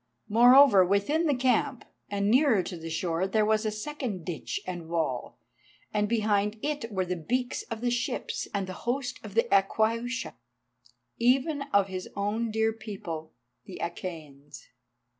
Moreover, within the camp and nearer to the shore there was a second ditch and wall, and behind it were the beaks of the ships and the host of Aquaiusha, even of his own dear people the Achæans.